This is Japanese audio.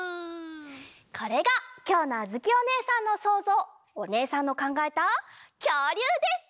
これがきょうのあづきおねえさんのそうぞうおねえさんのかんがえたきょうりゅうです。